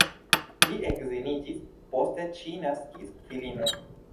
Li edziniĝis, poste ŝi naskis filinon.